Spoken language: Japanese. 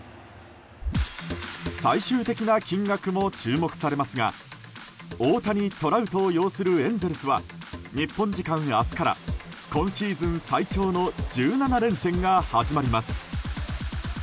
最終的な金額も注目されますが大谷、トラウトを擁するエンゼルスは日本時間明日から今シーズン最長の１７連戦が始まります。